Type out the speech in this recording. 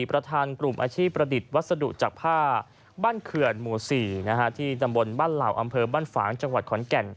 ประธานกลุ่มอาชีพประดิษฐ์วัสดุจากผ้าบ้านเขื่อนหมู่๔ที่ตำบลบ้านเหล่าอำเภอบ้านฝางจังหวัดขอนแก่น